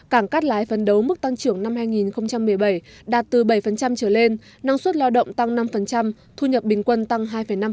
cảng cát lái phân đấu mức tăng trưởng năm hai nghìn một mươi bảy đạt từ bảy trở lên năng suất lao động tăng năm thu nhập bình quân tăng hai năm